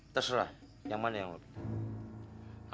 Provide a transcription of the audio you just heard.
terserah yang mana yang lo pilih